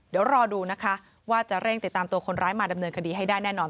เดี๋ยวรอดูนะคะว่าจะเร่งติดตามตัวคนร้ายมาดำเนินคดีให้ได้แน่นอน